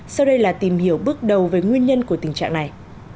sau đây là tìm hiểu bước đầu về nguyên nhân của tình trạng này